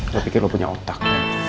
saya pikir lo punya otak